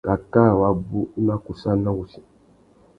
Cacā wabú i má kussāna wussi.